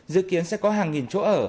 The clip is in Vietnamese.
dự kiến sẽ có hàng nghìn chỗ ở